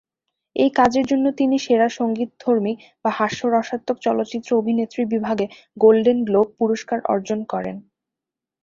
এই কাজের জন্য তিনি সেরা সঙ্গীতধর্মী বা হাস্যরসাত্মক চলচ্চিত্র অভিনেত্রী বিভাগে গোল্ডেন গ্লোব পুরস্কার অর্জন করেন।